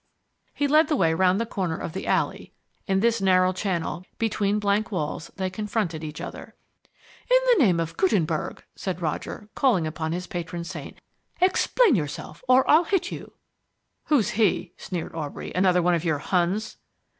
He led the way round the corner of the alley. In this narrow channel, between blank walls, they confronted each other. "In the name of Gutenberg," said Roger, calling upon his patron saint, "explain yourself or I'll hit you." "Who's he?" sneered Aubrey. "Another one of your Huns?"